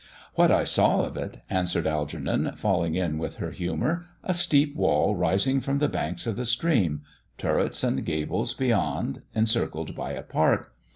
" What I saw of it," answered Algernon, falling in with her humour ;" a steep wall rising from the banks of the stream; turrets and gables beyond, encircled by a park.